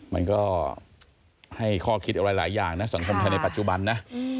มันก็ให้ข้อคิดอะไรหลายอย่างนะสังคมไทยในปัจจุบันนะ